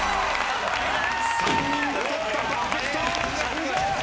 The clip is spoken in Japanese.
３人で取ったパーフェクト。